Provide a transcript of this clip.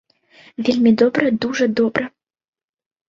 Вельмі добра, дужа добра!